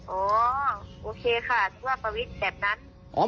โอเคค่ะที่ว่าประวิทย์แบบนั้น